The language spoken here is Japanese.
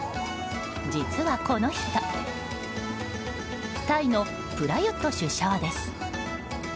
実はこの人タイのプラユット首相です。